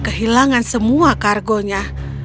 dia kehilangan semua kargonya